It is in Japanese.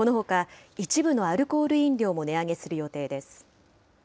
このほか一部のアルコール飲料も値上げする予定です。